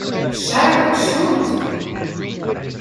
Shut Up and Shoot!